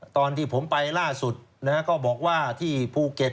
ตอนที่ผมไปล่าสุดก็บอกว่าที่ภูเก็ต